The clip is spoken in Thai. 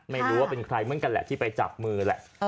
ไม่รู้ว่าเป็นใครเหมือนกันแหละที่ไปจับมือแหละ